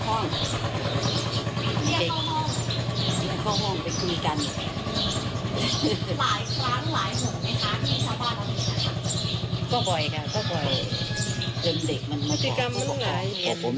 เกินเสกมันมากของ